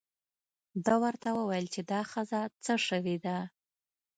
ده ورته وویل چې دا ښځه څه شوې ده.